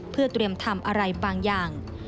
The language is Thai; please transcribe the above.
เพื่อเตรียมทำอะไรบางอย่าง